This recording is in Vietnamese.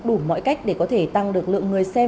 đủ mọi cách để có thể tăng được lượng người xem